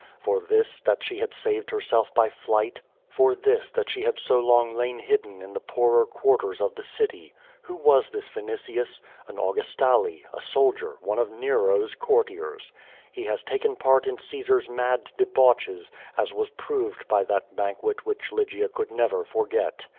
For this that she had saved herself by flight? For this that she had so long lain hidden in the ]K)orer quarters of the city? Who was this Vinitius? An Augustale, a sol dier, one of Nero's courtiers. He has taken part in Caesar's mad debauches, as was proved by that banquet which Lygia could never forget.